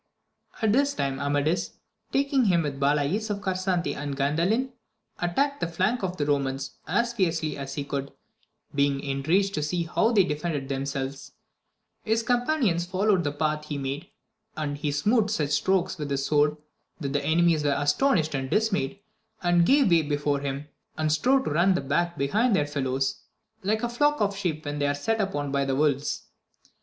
At this time Amadis, taking with him Balays of Carsante and Gandalin, attacked the flank of the Eo mans as fiercely as he could, being enraged to see how they defended themselves ; his companions followed the path he made, and he smote such strokes with his sword, that the enemies were astonished and dismayed, and gave way before him, and strove to run back be hind their fellows, like a flock of sheep when they are set upon by the wolves.